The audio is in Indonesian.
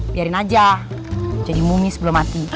biarin aja jadi mumi sebelum mati